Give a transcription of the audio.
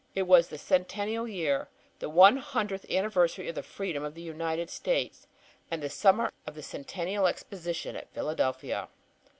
It was in Centennial year; the one hundredth anniversary of the freedom of the United States, and the summer of the Centennial Exposition at Philadelphia.